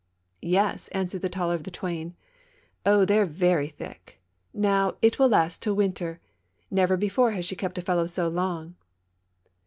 "Yes," answered the taller of the twain. "Oh I they're very thick ! Now, it will last till winter. Never before has she kept a fellow so long!"